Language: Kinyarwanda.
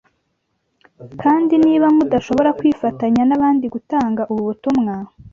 kandi niba mudashobora kwifatanya n’abandi gutanga ubu butumwa,